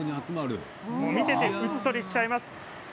見ていてうっとりしちゃいます。